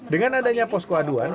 dengan adanya posko aduan